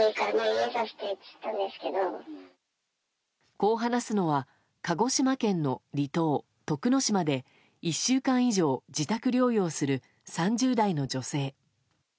こう話すのは鹿児島県の離島、徳之島で１週間以上、自宅療養する３０代の女性。